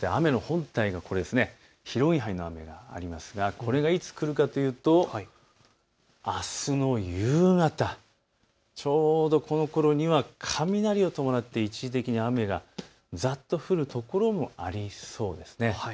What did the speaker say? そして広い範囲の雨がありますがこれがいつ来るかというとあすの夕方、ちょうどこのころには雷を伴って一時的に雨がざっと降る所もありそうです。